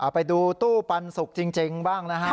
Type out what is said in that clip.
ไปดูตู้ปันสุกจริงบ้างนะครับ